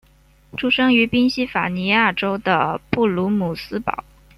出生于宾夕法尼亚州的布卢姆斯堡。